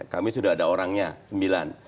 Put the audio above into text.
kami sudah ada orangnya sembilan